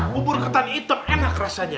bubur ketan hitam enak rasanya